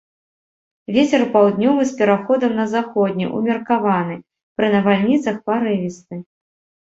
Вецер паўднёвы з пераходам на заходні, умеркаваны, пры навальніцах парывісты.